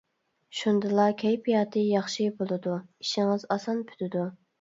شۇندىلا كەيپىياتى ياخشى بولىدۇ ئىشىڭىز ئاسان پۈتىدۇ.